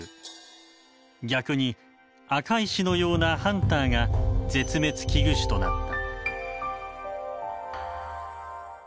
逆に赤石のようなハンターが絶滅危惧種となった。